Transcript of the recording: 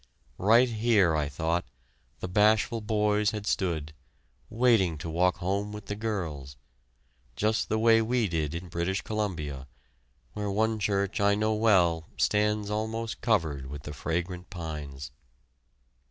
Right here, I thought, the bashful boys had stood, waiting to walk home with the girls... just the way we did in British Columbia, where one church I know well stands almost covered with the fragrant pines...